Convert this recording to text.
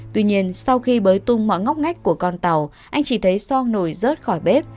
tuy nhiên sau khi bới tung mọi ngóc ngách của con tàu anh chỉ thấy so nổi rớt khỏi bếp